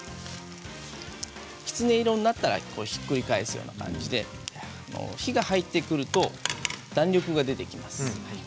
きつね色になったらひっくり返すような感じで火が入ってくると弾力が出てきます。